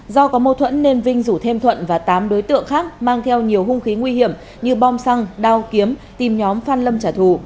do có mâu thuẫn nên vinh rủ thêm thuận và tám đối tượng khác mang theo nhiều hung khí nguy hiểm như bom xăng đao kiếm tìm nhóm phan lâm trả thù